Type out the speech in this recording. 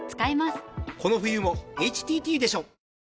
この冬もＨＴＴでしょ！